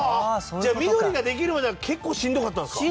じゃあミドリができるまでは結構しんどかったんですか？